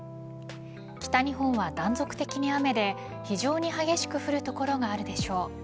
北日本は断続的に雨で非常に激しく降る所があるでしょう。